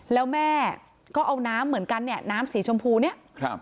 แล้วแม่ก็เอาน้ำเหมือนกันเนี่ยน้ำสีชมพูเนี่ยครับ